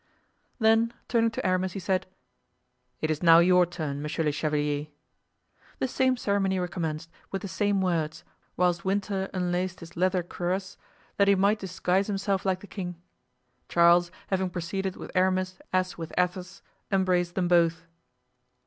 Then turning to Aramis, he said: "It is now your turn, monsieur le chevalier." The same ceremony recommenced, with the same words, whilst Winter unlaced his leather cuirass, that he might disguise himself like the king. Charles, having proceeded with Aramis as with Athos, embraced them both.